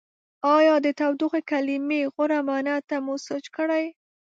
ایا د تودوخې کلمې غوره معنا ته مو سوچ کړی؟